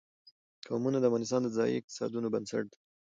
قومونه د افغانستان د ځایي اقتصادونو بنسټ دی.